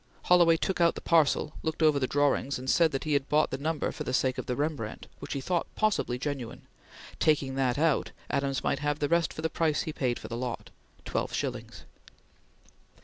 Holloway took out the parcel, looked over the drawings, and said that he had bought the number for the sake of the Rembrandt, which he thought possibly genuine; taking that out, Adams might have the rest for the price he paid for the lot twelve shillings.